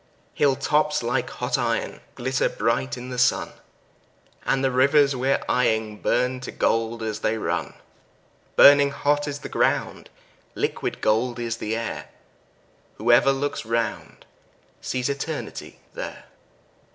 Hill tops like hot iron glitter bright in the sun, And the rivers we're eying burn to gold as they run; Burning hot is the ground, liquid gold is the air; Whoever looks round sees Eternity there.